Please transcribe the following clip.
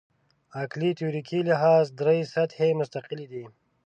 عقلي تیوریکي لحاظ درې سطحې مستقلې دي.